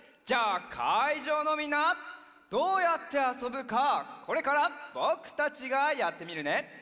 じゃあかいじょうのみんなどうやってあそぶかこれからぼくたちがやってみるね。